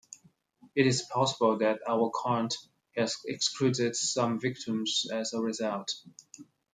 It is possible that our count has excluded some victims as a result.